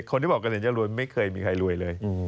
คนที่บอกกำลังจะรวยไม่เคยมีใครรวยเลย